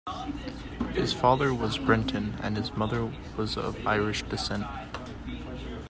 His father was Breton and his mother was of Irish descent.